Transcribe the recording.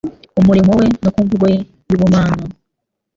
ku murimo we no ku mvugo ye y'ubumana.